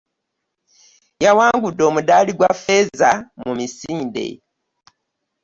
Yawangudde omudaali gwa ffeeza mu misinde.